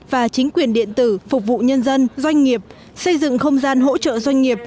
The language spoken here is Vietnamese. và chính quyền điện tử phục vụ nhân dân doanh nghiệp xây dựng không gian hỗ trợ doanh nghiệp